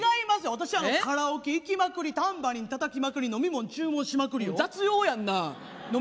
私、カラオケ行きまくりタンバリンたたきまくり飲み物、注文しまくりよ。